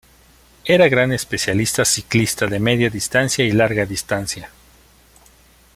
Era gran especialista ciclista de media distancia y larga distancia.